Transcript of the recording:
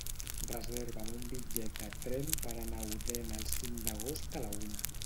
Reserva'm un bitllet de tren per anar a Odèn el cinc d'agost a la una.